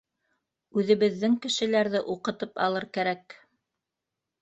Үҙебеҙҙең кешеләрҙе уҡытып алыр кәрәк.